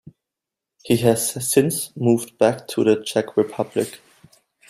He has since moved back to the Czech Republic.